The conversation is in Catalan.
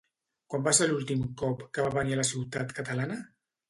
Quan va ser l'últim cop que va venir a la ciutat catalana?